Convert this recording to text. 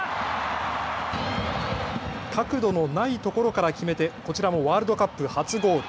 角度のないところから決めてこちらもワールドカップ初ゴール。